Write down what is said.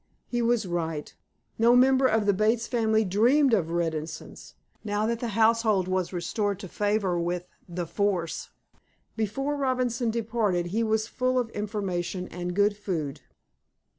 He was right. No member of the Bates family dreamed of reticence, now that the household was restored to favor with "the force." Before Robinson departed, he was full of information and good food.